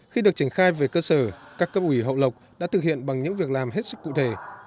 khi được triển khai về cơ sở các cấp ủy hậu lộc đã thực hiện bằng những việc làm hết sức cụ thể